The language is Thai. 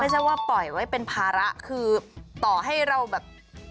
ไม่ใช่ว่าปล่อยไว้เป็นภาระคือต่อให้เราแบบ